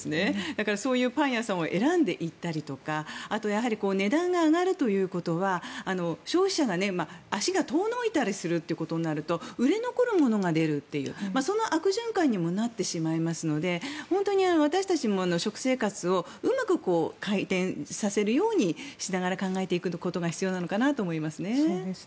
だからそういうパン屋さんを選んで行ったりとかあとはやはり値段が上がるということは消費者が足が遠のいたりするということになると売れ残るものが出るというその悪循環にもなってしまいますので本当に私たちも食生活をうまく回転させるようにしながら考えていくことが必要なのかなと思いますね。